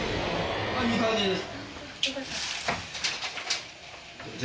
いい感じです。